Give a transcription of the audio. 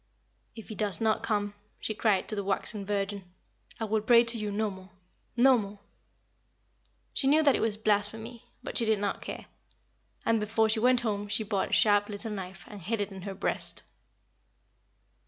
"If he does not come," she cried to the waxen Virgin, "I will pray to you no more no more." She knew that it was blasphemy, but she did not care; and before she went home she bought a sharp little knife and hid it in her breast.